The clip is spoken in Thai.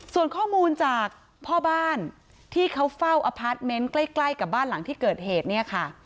ส่วนข้อมูลจากพ่อบ้านที่เขาเฝ้าอพาร์ทเมนต์ใกล้กับบ้านหลังที่เกิดเหตุเนี่ยค่ะ